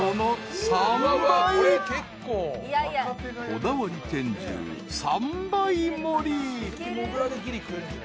［こだわり天重３倍盛り］